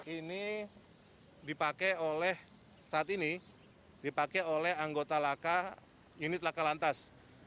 ini dipakai oleh saat ini dipakai oleh anggota laka unit laka lantas